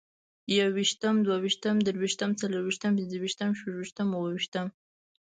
يوویشتم، دوويشتم، دريوشتم، څلورويشتم، پنځوويشتم، شپږويشتم، اوويشتمه